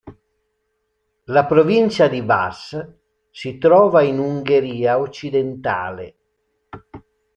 La Provincia di Vas si trova in Ungheria occidentale.